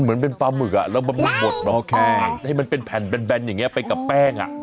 เหมือนเป็นปลาหมึกอะแล้วมันหมดมันเป็นแผ่นแบนอย่างนี้เป็นกับแป้งอะ